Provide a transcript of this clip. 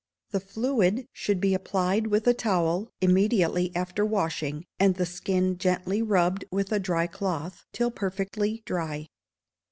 The fluid should be applied with a towel, immediately after washing, and the skin gently rubbed with a dry cloth, till perfectly dry.